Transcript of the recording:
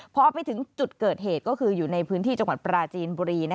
พอไปถึงจุดเกิดเหตุก็คืออยู่ในพื้นที่จังหวัดปราจีนบุรี